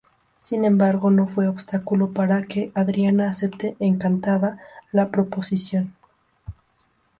Sin embargo no fue obstáculo para que Adriana acepte encantada la proposición.